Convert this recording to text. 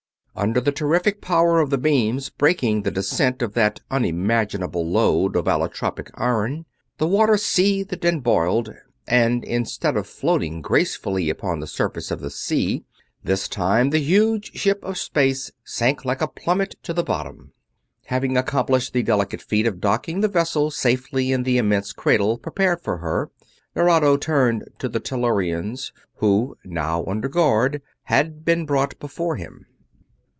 Under the terrific power of the beams braking the descent of that unimaginable load of allotropic iron the water seethed and boiled; and instead of floating gracefully upon the surface of the sea, this time the huge ship of space sank like a plummet to the bottom. Having accomplished the delicate feat of docking the vessel safely in the immense cradle prepared for her, Nerado turned to the Tellurians, who, now under guard, had been brought before him.